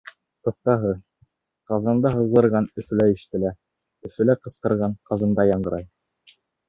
Ҡыҫҡаһы, Ҡазанда һыҙғырған Өфөлә ишетелә, Өфөлә ҡысҡырған Ҡазанда яңғырай...